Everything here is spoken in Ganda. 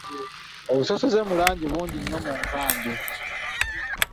Obusosoze mu langi bungi nnyo mu nkambi.